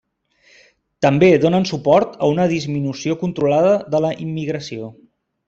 També donen suport a una disminució controlada de la immigració.